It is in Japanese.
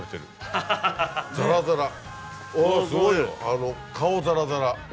あぁすごいよ顔ザラザラ。